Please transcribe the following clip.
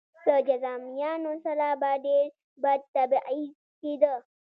له جذامیانو سره به ډېر بد تبعیض کېده.